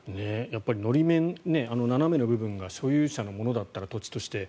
法面、斜めの部分が所有者のものだったら土地として。